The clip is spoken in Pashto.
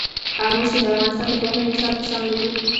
آمو سیند د افغانستان د پوهنې نصاب کې شامل دي.